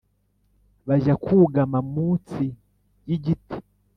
bajya kugama mutsi yi giti